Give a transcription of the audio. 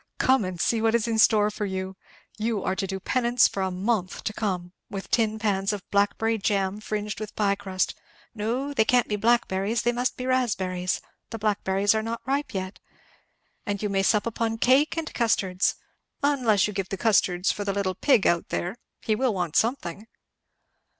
Come and see what is in store for you. You are to do penance for a month to come with tin pans of blackberry jam fringed with pie crust no, they can't be blackberries, they must be raspberries the blackberries are not ripe yet. And you may sup upon cake and custards unless you give the custards for the little pig out there he will want something."